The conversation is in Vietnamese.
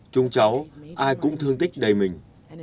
chúng cháu ai cũng thương tích đầy mình